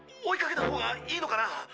追いかけたほうがいいのかな？